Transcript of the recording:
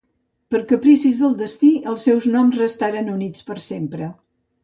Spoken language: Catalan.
Per capricis del destí, els seus noms restaren units per sempre.